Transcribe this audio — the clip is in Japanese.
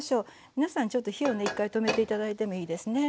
皆さんちょっと火をね１回止めて頂いてもいいですね。